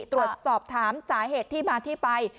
ตรวจสอบถามสาเหตุที่มาที่ไป